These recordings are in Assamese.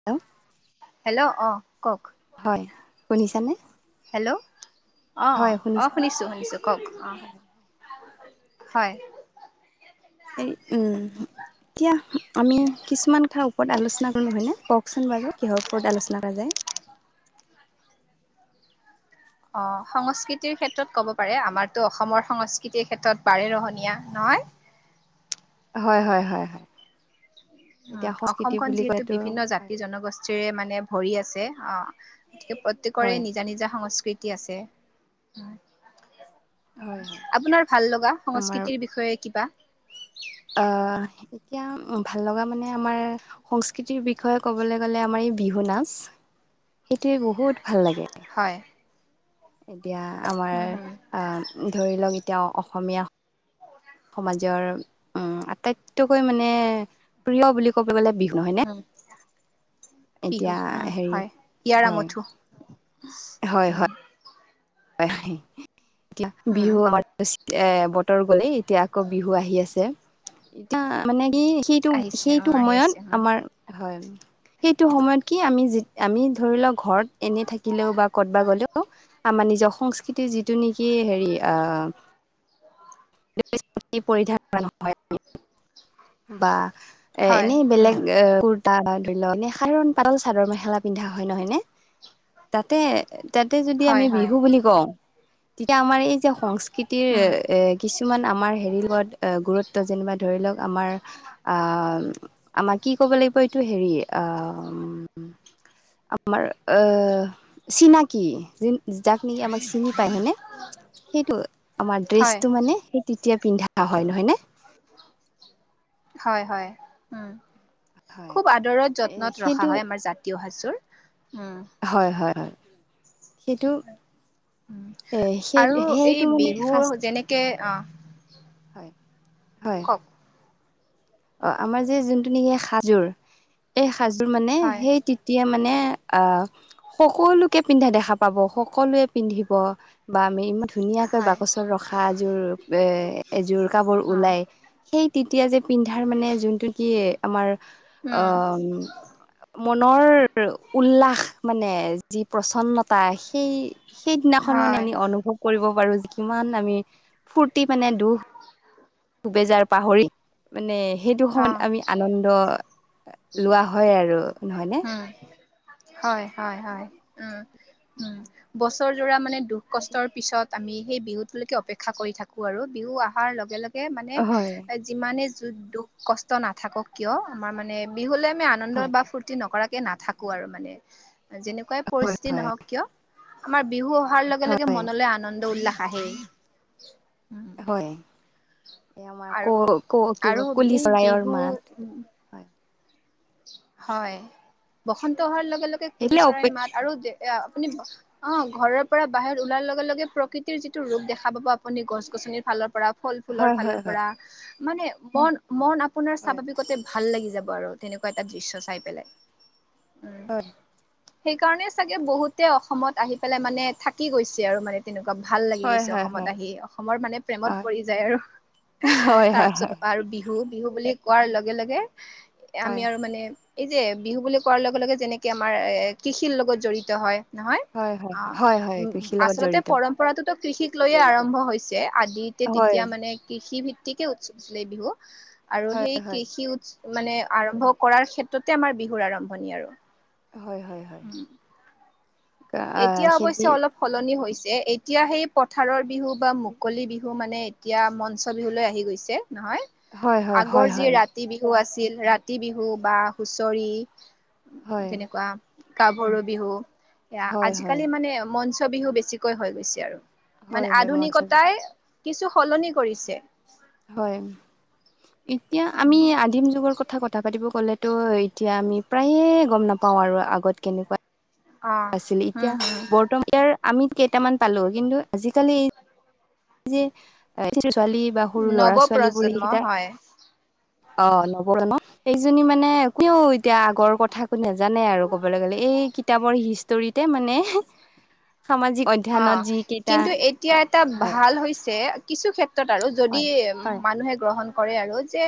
[inaudible] এও অ কওক। হয়, শুনিছানে? হেল্লৌ অ হয় অ শুনিছানে শুনিছোঁ শুনিছোঁ। কওক অ হয় হয়। এই উম। তিয়া আমি কিছুমান থা ওপৰত আলোচনা কৰোঁ হয়নে, কওকচোন বাৰু কিহৰ ওপৰত আলোচনা লাগে। অ সংস্কৃতিৰ ক্ষেত্ৰত ক'ব পাৰে আমাৰতো অসমৰ সংস্কৃতিৰ ক্ষেত্ৰত বাৰে ৰহনীয়া নহয়। হয়, হয়, হয়, হয়। উম, এতিয়া সংস্কৃতি অসমখন বুলি যিহেতু কলেতো বিভিন্ন আমাৰ হয় জাতি জনগোচ চিৰে মানে ভৰি আছে অ গতিকে প্ৰত্যেকৰে হয় নিজা নিজা সংস্কৃত তি আছে। হয় হয় আপোনাৰ ভাল লগা সংস্কৃতিৰ বিষয়ে কিবা? আ' এতিয়া ভাল লগা মানে আমাৰ সংস্কৃতিৰ বিষয়ে কবলে গ'লে আমাৰ এই বিহু নাচ সেইটোৱে বহুত ভাল লাগে। হয়। এতিয়া আমাৰ উম হুম আ উম ধৰি লওক এতিয়া অসমীয়া সমাজৰ উম, আটাইতকৈ মানে প্ৰিয় বুলি ক'ব গলে বিহু নহয় নে? উম বিহু এতিয়া উম হেৰি হয় হিয়াৰ হয় আমঠু হয় উম। হয় হয় এতিয়া উম বিহু আমাৰ এ বতৰ গলেই এতিয়া আকৌ বিহু আহি আছে এতিয়া মানে কি খি আহিছে সেইটো উম আহি সময়ত আছে উম আমাৰ হয়। সেইটো সময়ত কি আমি যি আমি ধৰি লওক ঘৰত এনে থাকিলেও বা ক'তবা গ'লেও আমাৰ নিজৰ সংস্কৃতিৰ যিটো নেকি হেৰি আ' [unintelligible] পিৰধান অৰা হয়। বা এ হয় এনেই বেলেগ উম এ তা ধুলনি সাঅন পাতৰ চাদৰ মেহেলা পিন্ধা হয় নহয়নে তাতে তাতে যদি হয় আমি হয় বিহু বুলি কওঁ তেতিয়া আমাৰ এই তিয়া উম সংস্কৃতিৰ এ কিছুমান আমাৰ হেৰিৰ লগত এ গুৰুত্ব ত যেনিবা ধৰি লওক আমাৰ আউম। আমাৰ কি কইব লাইব এইটো হেৰি আম আমাৰ এ চিনাকি যাক নেকি আমাক চিনি পায় হয় ন সেইটো আমাৰ হয় ড্ৰেছটো মানে তেতিয়া পিন্ধা হয় নহয়নে। হয়, হয় উম। হয় খুব আদৰত এ যত্নত সেইটো ৰখা হয় আমাৰ জাতীয় সাজোৰ উম। হয়, হয়, হয় সেইটো উম এ সেই সেইটো মানে শাস্তি কে অ'। হয়, হয়। কওক অ', আমাৰ যে যোনটো নেকি সাজোৰ এই সাজোৰ মানে হয় সেই তেতিয়া মানে আহ সকলোকে পিন্ধা দেখা পাব সকলোৱে পিন্ধিব বা আমি ইমান ধুনীয়াকৈ হয় বাকচত ৰখা এযোৰ এ এযোৰ কাবোৰ অ ওলায় সেই তেতিয়া যে পিন্ধাৰ মানে যোনটো কি আমাৰ উম মনৰ উল্লাস মানে যি প্ৰচন্নতা সেই সেইদিনাখন মানে হয় আমি অনুভৱ কৰিব পাৰো যে কিমান আমি ফূৰ্তি মানে দুখ [unintelligible] বেজাৰ পাহৰি মানে অ সেইটোখন আমি আনন্দ লোৱা হয় আৰু নহয় নয়নে হয়, হয়, হয় উম, উম, বছৰ যোৰা মানে দুখ কষ্টৰ পিছত আমি সেই বিহুটোলৈকে অপেক্ষা কৰি থাকোঁ আৰু বিহু অহাৰ লগে লগে মানে হয় যিমানে দুখ কষ্ট নাথাকক কিয় আমাৰ মানে বিহুলে আমি আনন্দ হয় বা ফূুৰ্তি নকৰাকে নাথাকো আৰু মানে যেনেকুৱাই হয় পৰিস্থিতি হয় নহওক কিয় আমাৰ বিহু অহাৰ লগে লগে হয় মনলৈ আনন্দ উল্লাস আহে। হয় এই আমাৰ কো আৰু ক আৰু কিবা কুলি এই চৰাইৰ বিহু মাত হয় হয় বসন্ত অহাৰ লগে, লগে কুলি সেইবিলাক চৰাইৰ অপে মাত যেতিয়া আৰু আপুনি অ', ঘৰৰ পৰা বাহিৰ ওলাৰ লগে, লগে প্ৰকৃতিৰ যিটো ৰোগ দেখা পাব আপুনি গছ গছনিৰ ফালৰ পৰা ফল ফুলৰ হয় হয় ফালৰ হয় পৰা মানে মন, মন আপোনাৰ হয় স্বাভাৱিকতে ভাল লাগি যাব আৰু। তেনেকুৱা এটা দৃশ্য চাই পেলাই। সেইকাৰণে চাগে বহুতে অসমত আহি পেলাই মানে থাকি গৈছে আৰু মানে। তেনেকুৱা ভাল লাগি হয় হয় হয় হয় গৈছে অসমত আহি অসমৰ মানে প্ৰেমত পৰি যায় আৰু। হয় হয় হয় হয় তাৰপিছত আৰু বিহু, বিহু বুলি কোৱাৰ লগে লগে আমি আৰু মানে এই যে বিহু বুলি কোৱাৰ লগে, লগে যেনেকে আমাৰ এ কৃষিৰ লগত জড়িত হয়। নহয় হয় হয় অ', হয় উ হয় কৃষিৰ লগত আচলতে জড়িত পৰম পৰাতোতো কৃষিক লৈয়ে আৰম্ভ হৈছে আদিতে হয় তেতিয়া মানে কৃষি ভি অতিকে উৎসৱ আছিলে এই বিহু আৰু হয় সেই হয় কৃষি উৎস মানে আৰম্ভ কৰাৰ ক্ষেত্ৰতে আমাৰ বিহুৰ আৰম্ভণি আৰু। হয়, হয়, হয়। উম। আহ এতিয়া খেতি অৱশ্যে অলপ সলনি হৈছে এতিয়া সেই পথাৰৰ বিহু বা মুকলি বিহু মানে এতিয়া মঞ্চ বিহুলৈ আহি গৈছে নহয় হয় হয় হয় আগৰ যি হয় ৰাতি কাতি বিহু আছিল ৰাতি বিহু বা হুঁচৰি হয় তেনেকুৱা গাভৰু বিহু। এয়া হয় হয় আজিকালি মানে মঞ্চ বিহু বেছিকৈ হৈ গৈছে আৰু মানে হয় হয় মঞ্চ আধুনিকতাই কিছু সলনি কৰিছে। হয় এতিয়া আমি উম আদিম যুগৰ কথা কথা-কথা পাতিব গ'লেতো এতিয়া আমি প্ৰায়ে গম নাপাওঁ আৰু আগত কেনেকুৱা অ আছিলে হম এতিয়া হম বৰ্তমান ইয়াৰ আমি কেইটামান পালো কিন্তু আজিকালি এই যে ছোৱালী বা সৰু নৱ ল'ৰা-ছোৱালীবোৰ প্ৰজন্ম সেইকেইটাই হয় অ নবৰে ন [unintelligible] এইজনী মানে কিয় এতিয়া আগৰ কথাকো নাজানে আৰু কবলৈ গ'লে এই কিতাপৰ হিষ্ট হিষ্টৰীতে মানে সামাজিক অধ্য অ' কিন্তু এতিয়া এটা হয় ভাল হৈছে, কিছু ক্ষেত্ৰ ত আৰু যদি হয় উ, হয় মানুহে গ্ৰহণ কৰে আৰু যে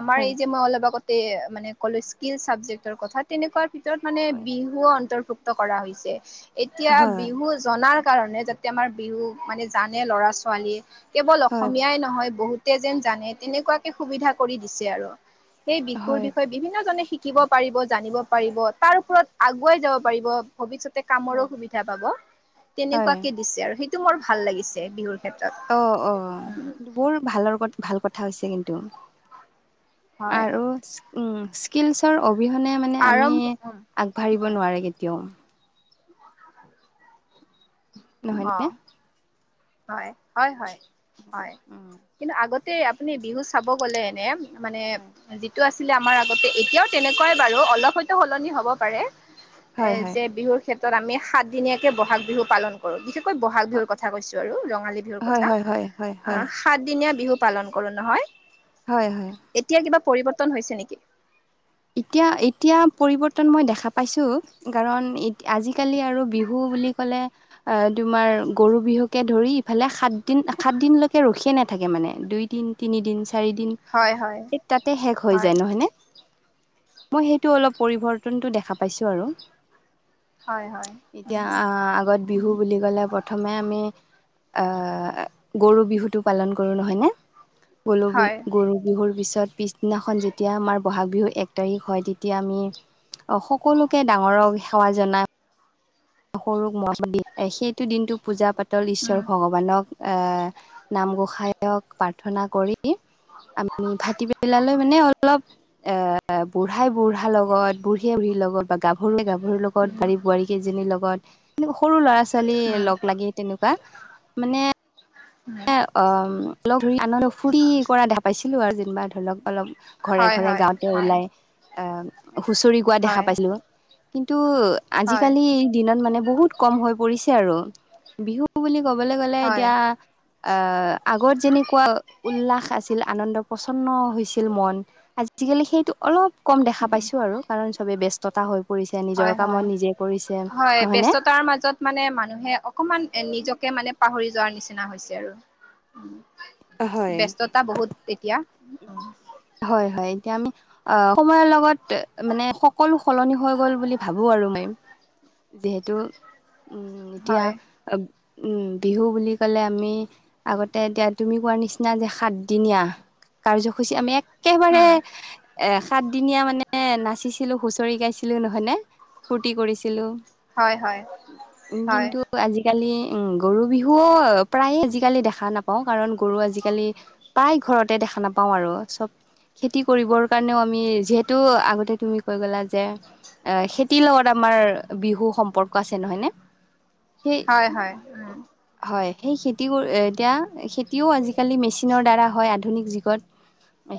আমাৰ হয় এই যে মই অলপ আগত মানে ক'লে স্কিল চাবজেক্টৰ কথা তেনেকুৱা ভিতৰত মানে হয় বিহু অন্তৰ্ভুক ত কৰা হৈছে, এতিয়া হয় বিহু জনাৰ কাৰণে যাতে আমাৰ বিহু মানে জানে ল'ৰা ছোৱালীয়ে, কেৱল হয় হয় অসমীয়াই নহয় বহুত তে যেন জানে তেনেকুৱাকে সুবিধা কৰি দিছে আৰু সেই বিহুৰ হয় বিষয়ে বিভিন্ন জনে শিক শিকিব পাৰিব, জানিব পাৰিব তাৰ ওপৰত আগুৱাই যাব পাৰিব। ভৱিষ্যতে কামৰো হয় সুবিধা পাব হয় তেনেকুৱাকে দিছে আৰু, সেইটো মোৰ ভাল লাগিছে বিহুৰ। ক্ষেত্ৰত অ', উম অ' কিন্তু বৰ ভালৰ ভাল কথা হৈছে কিন্তু। হয় আৰু উম, স্কিলচৰ অবিহনে মানে আমি আৰম্ভ উম আগবাঢ়িব নোৱাৰো কিন তেওঁ নহয়নে অ', হয়, হয় হয়, হয় উম কিন্তু আগত তে আপুনি বিহু চাব গ'লে এনে মানে হয় যিটো আছিলে আমাৰ আগতে, এতিয়াও তেনেকুৱাই বাৰু অলপ হয়তো সলনি হ'ব পাৰে। হয় এই হয় যে বিহুৰ ক্ষেত্ৰত আমি সাতদিনীয়াকে বহাগ বিহু পালন কৰোঁ, বিশেষকৈ বহাগ হয় বিহুৰ কথা কৈছোঁ আৰু, ৰঙালী বিহুৰ কথা হয় হয় হয় আ হয় সাতদিনীয়া বিহু পালন কৰোঁ নহয়? হয় হয়। এতিয়া কিবা পৰিৱৰ্তন হৈছে নেকি? এতিয়া এতিয়া পৰিৱৰ্তন মই দেখা পাইছোঁ। কাৰণ আজিকালি আৰু বিহু বুলি ক'লে আ, তোমাৰ গৰু বিহুকে ধৰি ইফালে সাত দিন সাত দিনলৈকে ৰখিয়ে নাথাকে মানে দুই তিন তিনিদিন, চাৰি দিন হয় হয় তাতে শেষ হৈ হয় যায় নহয়নে? মই সেইটো অলপ পৰিৱৰ্তনটো দেখা পাইছোঁ আৰু। হয় এতিয়া আ, আগত হয় বিহু বুলি ক'লে প্ৰ প্ৰথমে আমি আ, গৰু বিহুটো পালন কৰোঁ নহয়নে? গলো বি হয় গৰু বিহুৰ পিছত পিছদিনাখন যেতিয়া আমাৰ বহাগ বিহু এক তাৰিখ হয় তেতিয়া আমি অ' সকলোকে ডাঙৰক সেৱা জনাই সৰুক মৰমৰ বিলাই, সেইটো দিনটো পূজা পাতল, ঈশ্বৰ উম ভগৱানক এ, নামঘোষায়ক প্ৰাৰ্থনা কৰি ই আমি ভাটিবেলালৈ মানে অলপ এ বুঢ়াই বুঢ়াৰ লগত, বুঢ়ীয়ে বুঢ়ীৰ লগত বা গাভৰুৱে গাভৰুৰ লগত, উম বোৱাৰী বোৱাৰী কেইজনীৰ লগত গত এনেকা সৰু ল'ৰা ছোৱালী উম লগ লাগি তেনেকুৱা মানে উম। অ' লগ ধৰি আনন্দ ফূৰ্তি কৰা দেখা পাইছিলো আৰু যেনিবা ধৰি লওক অলপ ঘৰে হয় ঘৰে হয় গাঁৱতে হয় ওলাই আহ, হুঁচৰি গোৱা দেখা হয় পাইছিলো কিন্তু হয় আজিকালি দিনত মানে বহুত কম হৈ পৰিছে আৰু, বিহু বুলি ক'বলৈ গ'লে হয় এতিয়া আ, আগত যেনেকুৱা উল্লাস আছিল, আনন্দ প্ৰচন্ন হৈছিল মন আজিকালি সেইটো অলপ কম দেখা উম পাইছোঁ আৰু কাৰন চবেই বেচ ততা হৈ পৰিছে, হয় নিজৰ হয় কামত নিজে কৰিছে হয় নহয়নে? ব্যস্ততাৰ মাজত মানে মানুহে অকমান এ, নিজকে মানে পাহৰি যোৱাৰ নিচিনা হৈছে আৰু। হয় ব্যস্ততা বহুত এতিয়া। হয় হয়, এতিয়া আমি অ' সময়ৰ লগত মানে সকলো সলনি হৈ গ'ল বুলি ভাবোঁ আৰু মই। যিহেতু উ, এতিয়া হয় উম, বিহু বুলি কলে আমি আগতে এতিয়া তুমি কোৱাৰ নিচিনা যে সাতদিনীয়া কাৰ্যসূচী আমি একেবাৰে উম সাতদিনীয়া মানে নাচিছিলোঁ হুঁচৰি গাইছিলোঁ নহয়, নে ফূৰ্তি কৰিছিলোঁ। হয হয়, হয়। আজিকালি উম, গৰু বিহু প্ৰায়ে আজিকালি দেখা নাপাওঁ কাৰণ গৰু আজিকালি প্ৰায় ঘৰতে দেখা নাপাওঁ আৰু চব খেতি কৰিবৰ কাৰণেও আমি যিহেতু আগতে তুমি কৈ গ'লা যে অ', খেতিৰ লগত আমাৰ বিহু সম্পৰ্ক আছে নহয় নে? সেই হয় হয় উম হয়, সেই খেতি এতিয়া খেতিও আজিকালি মেচিনৰ দ্বাৰা হয় আধুনিক যুগত।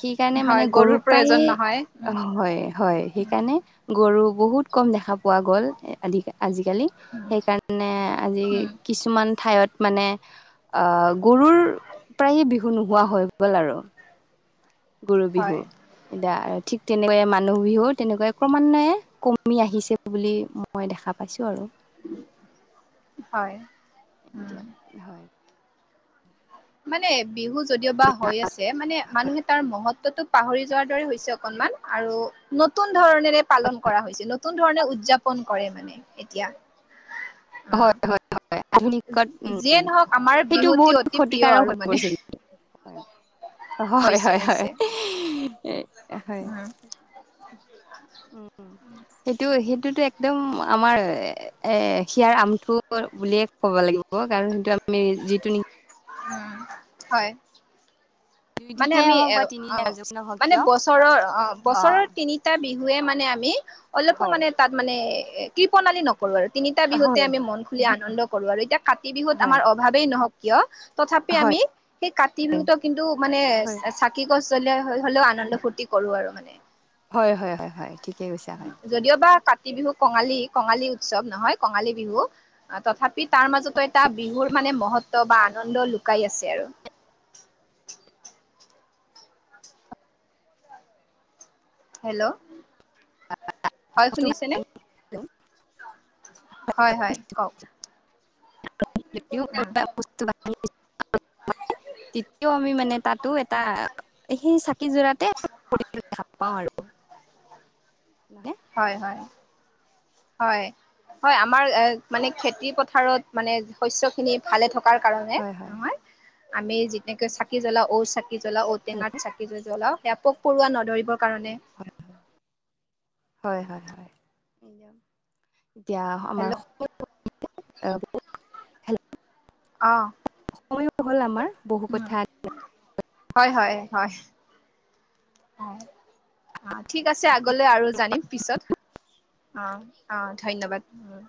সেইকাৰণে হয় মানে গৰু গৰুৰ প্ৰয়োজন নহয় উম প্ৰায়ে হয়, হয় সেইকাৰণে গৰু বহুত কম দেখা পোৱা গ'ল আ আজিকালি। উম সেইকাৰণে আজি উম কিছুমান ঠাইত মানে আহ গৰুৰ প্ৰায়ে বিহু নোহোৱা হৈ গ'ল আৰু। গৰু হয় বিহু। এতিয়া আৰু ঠিক তেনেকয়ে মানুহ বিহু তেনেকুৱৈ ক্ৰমান্বয়ে কমি আহিছে বুলি মই দেখা পাইছোঁ আৰু। হয়। এতিয়া উম হয়। মানে বিহু যদিওবা হৈ আছে মানে হয় মানুহে তাৰ মহত্বতো পাহৰি যোৱাৰ দৰে হৈছে অকনমান আৰু নতুন ধৰণৰে পালন কৰা হৈছে। নতুন ধৰণে উদযাপন কৰে মানে এতিয়া। অ', হয়, হয়। হয় আধুনিকত যিয়ে উম নহওক আমাৰ সেইটো বিহুটি বহুত অতি প্ৰিয় ক্ষতিকাৰক হৈ আৰু মানে। পৰিছে [unintelligible] হয়, হৈছে হয়, হয়, হৈছে হয়। উম উম, উম, সেইটো সেইটোতো একদম আমাৰ এ হিয়াৰ আমঠু বুলিয়ে ক'ব লাগিব কাৰণ কিন্তু আমি যিটো উম, হয়। মানে দুইদিনীয়াই আমি হওক এ বা তিনিদিনীয়া অ', কাৰ্যসূচী হওক মানে কিয় বছৰৰ অ', বছৰৰ তিনি টা বিহুৱে মানে আমি অলপো হয় মানে তাত মানে কৃপনালি নক ৰোঁ আৰু তিনিটা বিহুতে হয় আমি মন খুলি আনন্দ কৰো আৰু এতিয়া কাতি বিহুত হয় আমাৰ অভাৱেই নহওক কিয়। তথাপি হয় হয় আমি সেই কাতি বিহুত কিন্তু মানে কি ক চল হৈ হ'লেও আনন্দ ফূৰ্তি কৰো আৰু মানে। হয়, হয়, হয়, হয়, ঠিকে কৈছা হয়। যদিওবা কাতি বিহু কঙালী কঙালী উৎসৱ নহয়, কঙালী বিহু। তথাপি তাৰ মাজতো এটা বিহুৰ মানে মহত্ব বা আনন্দ লুকাই আছে আৰু। হেল্ল'? হয়, শুনিছে নে হয়, হয়, কওক। উম, [unintelligible] তেতিয়াও আমি মানে তাতো [unintelligible] সেই চাকি জ্বলাওঁতে [unintelligible] দেখা পাওঁ আৰু। মানে হয়, হয়। হয়, হয়, আমাৰ মানে খেতি পথাৰত মানে শস্যখিনি ভালে থকাৰ কাৰণে হয় হয় নহয়, আমি যেনেকে চাকি জ্বলা ঔ চা চাকি জ্বলাও হেল্ল' ঔটেঙাত চাকি জ জ্বলাও সেইয়া পক পৰুৱা নধৰিবৰ কাৰণে। হয়, হয়, হয়, হয়, হয়। এতিয়া আমাৰ হেল্ল' [unintelligible] হেল্ল? অ'। [unintelligible] সময়ো হ'ল আমাৰ। বহু কথা হয়, হয়, হয়। অ', ঠিক আছে আগলৈ আৰু জানিম পিছত। অ', অ', ধন্যবাদ। উম।